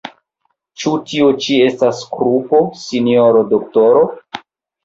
Ĉu tio ĉi estas krupo, sinjoro doktoro?